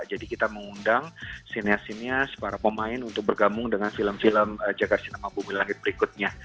jadi kita mengundang sineas sineas para pemain untuk bergabung dengan film film jaga cinema bumi langit berikutnya